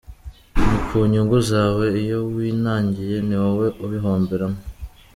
Ni ku nyungu zawe, iyo winangiye ni wowe ubihomberamo.